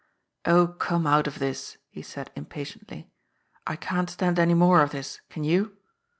'*" Oh, come out of this," he said impatiently. " I can't stand any more of this, can you?"